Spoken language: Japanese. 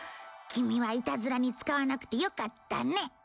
キミはいたずらに使わなくてよかったね。